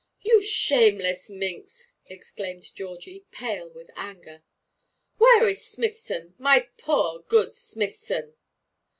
'You shameless minx!' exclaimed Georgie, pale with anger. 'Where is Smithson my poor, good Smithson?'